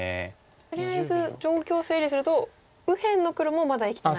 とりあえず状況を整理すると右辺の黒もまだ生きてない。